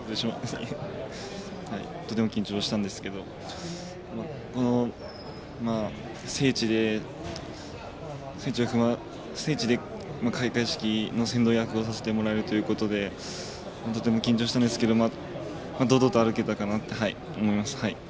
とても緊張したんですけれども聖地で開会式の先導役をさせてもらえるということでとても緊張したんですけど堂々と歩けたかなと思いました。